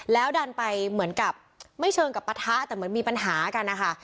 แล้วดันไปเหมือนกับไม่เชิงกับปะทะแต่เหมือนมีปัญหากันนะคะ